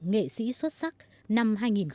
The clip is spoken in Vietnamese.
nghệ sĩ xuất sắc năm hai nghìn một mươi